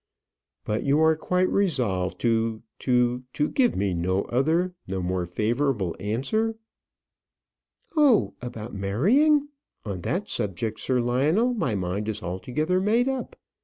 "But you are quite resolved to to to give me no other, no more favourable answer?" "Oh! about marrying. On that subject, Sir Lionel, my mind is altogether made up.